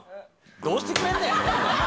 どうしてくれんねん！